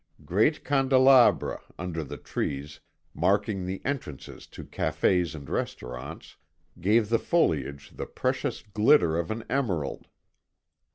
Great candelabra, under the trees, marking the entrances to cafés and restaurants, gave the foliage the precious glitter of an emerald.